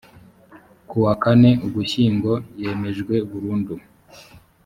kuwa kane ugushyingo yemejwe burundu